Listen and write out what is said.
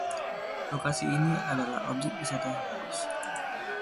Lokasi ini adalah objek wisata yang bagus.